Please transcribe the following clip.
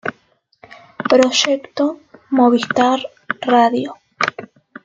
Proyecto: Movistar Radio.